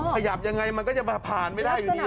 ขยับยังไงมันก็จะผ่านไม่ได้อยู่ดี